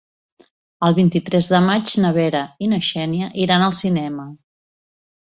El vint-i-tres de maig na Vera i na Xènia iran al cinema.